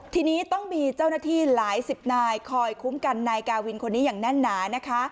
ทีนี้ต้องมีเจ้าหน้าที่หลายสิบนายคอยคุ้มกันนายกาวินคนนี้อย่างแน่นหนานะคะ